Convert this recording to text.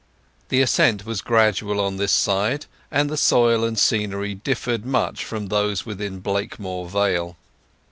The ascent was gradual on this side, and the soil and scenery differed much from those within Blakemore Vale.